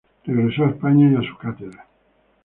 Regresó a España y a su cátedra.